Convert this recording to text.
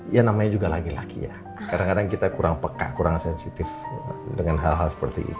ya namanya juga laki laki ya kadang kadang kita kurang peka kurang sensitif dengan hal hal seperti itu